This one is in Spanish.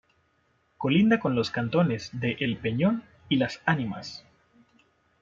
Colinda con los cantones de El Peñón y Las Animas.